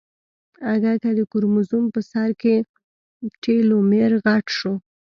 اگه د کروموزوم په سر کې ټيلومېر غټ شو.